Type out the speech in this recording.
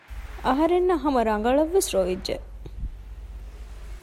އަހަރެންނަށް ހަމަ ރަގަޅަށްވެސް ރޮވިއްޖެ